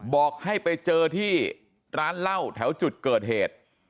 บอกให้ไปเจอที่ร้านเหล้าแถวจุดเกิดเหตุ